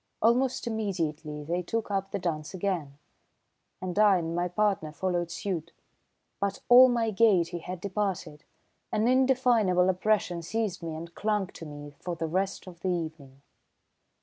Almost immediately they took up the dance again, and I and my partner followed suit. But all my gaiety had departed. An indefinable oppression seized me and clung to me for the rest of the evening.